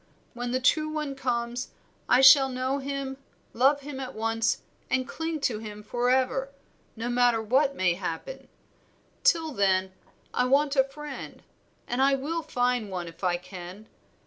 When the true one comes I shall know him, love him at once, and cling to him forever, no matter what may happen. Till then I want a friend, and I will find one if I can.